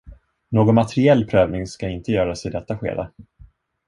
Någon materiell prövning ska inte göras i detta skede.